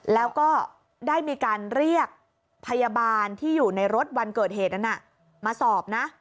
แล้วก็ได้มีการเรียกพยาบาลที่อยู่ในรถวันเกิดเหตุนั้นมาสอบนะ